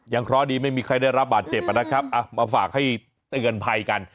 เพราะดีไม่มีใครได้รับบาดเจ็บนะครับมาฝากให้เตือนภัยกัน